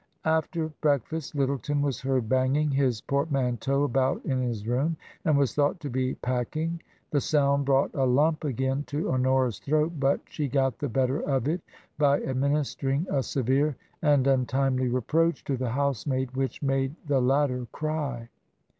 After breakfast Lyttleton was heard banging his port manteau about in his room, and was thought to be pack ing. The sound brought a lump again to Honora's throat ; but she got the better of it by administering a severe and untimely reproach to the housemaid, which made the latter cry.